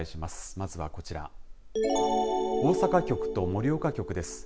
まずはこちら大阪局と盛岡局です。